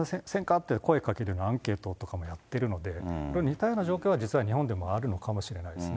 って声かけるようなアンケートとかもやってるので、似たような状況は実際日本でもあるのかもしれないです